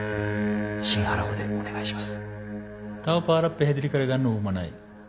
シンハラ語でお願いします。